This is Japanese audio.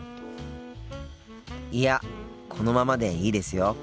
いやこのままでいいですよ。